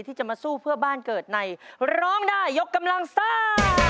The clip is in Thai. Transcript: ที่จะมาสู้เพื่อบ้านเกิดในร้องได้ยกกำลังซ่า